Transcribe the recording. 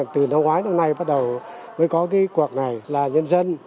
từ năm ngoái đến nay mới có cuộc này